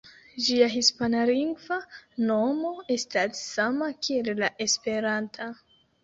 Ĝia hispanlingva nomo estas sama kiel la esperanta.